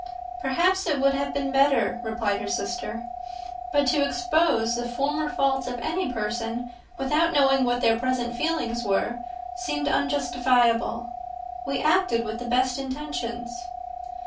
"Perhaps it would have been better," replied her sister. "But to expose the former faults of any person, without knowing what their present feelings were, seemed unjustifiable." "We acted with the best intentions."